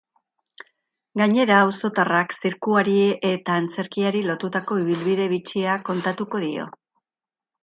Gainera, auzotarrak zirkuari eta antzerkiari lotutako ibilbide bitxia kontatuko dio.